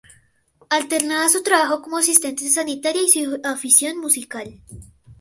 Alternaba su trabajo como asistente sanitaria y su afición musical.